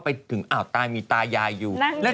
พี่คนนึงแหละน่าจะถ่ายรูปเยอะเลยละค่ะ